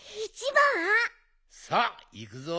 さあいくぞ。